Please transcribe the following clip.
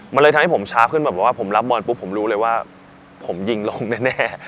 มันเลยทำให้ผมช้าขึ้นแบบว่าผมรับบอลปุ๊บผมรู้เลยว่าผมยิงลงแน่